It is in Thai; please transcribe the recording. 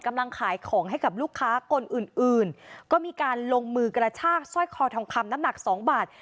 กำลังขายของให้กับลูกค้าคนอื่นอื่นก็มีการลงมือกระชากสร้อยคอทองคำน้ำหนักสองบาท